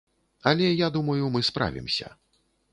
Але, я думаю, мы справімся.